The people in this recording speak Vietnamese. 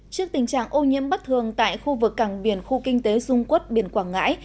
trước tình trạng ô nhiễm bất thường tại khu vực cảng biển khu kinh tế dung quốc biển quảng ngãi